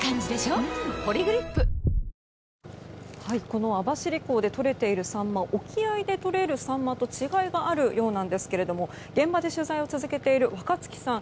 この網走港でとれているサンマ沖合でとれるサンマと違いがあるようなんですが現場で取材を続けている若槻さん